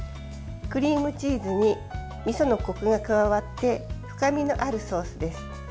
クリームチーズにみそのこくが加わって深みのあるソースです。